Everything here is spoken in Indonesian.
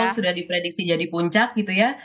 sudah diprediksi jadi puncak gitu ya